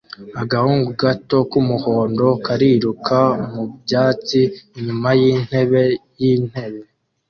Agahungu gato k'umuhondo kariruka mu byatsi inyuma y'intebe y'intebe